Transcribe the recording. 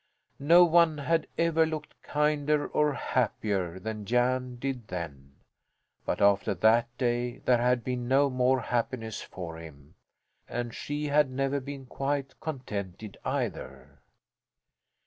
No one had ever looked kinder or happier than Jan did then. But after that day there had been no more happiness for him, and she had never been quite contented either.